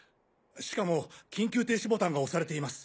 しかも緊急停止ボタンが押されています。